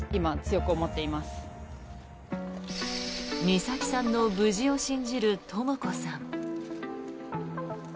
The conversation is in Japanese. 美咲さんの無事を信じるとも子さん。